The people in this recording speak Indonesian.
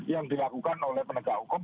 yang dilakukan oleh penegak hukum